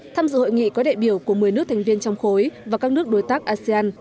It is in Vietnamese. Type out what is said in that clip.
tham dự hội nghị có đại biểu của một mươi nước thành viên trong khối và các nước đối tác asean